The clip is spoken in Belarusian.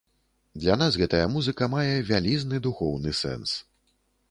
Для нас гэтая музыка мае вялізны духоўны сэнс.